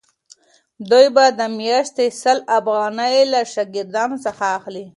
دوی به د میاشتې سل افغانۍ له شاګردانو څخه اخلي.